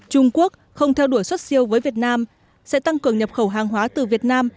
trung quốc không theo đuổi xuất siêu với việt nam sẽ tăng cường nhập khẩu hàng hóa từ việt nam